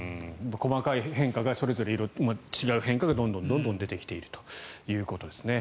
細かい変化がそれぞれ違う変化がどんどん出てきているということですね。